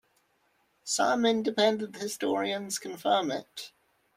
Some independent historians confirm it.